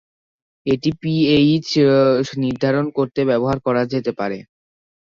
এটি পিএইচ নির্ধারণ করতে ব্যবহার করা যেতে পারে।